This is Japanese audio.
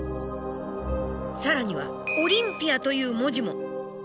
更には「オリンピア」という文字も。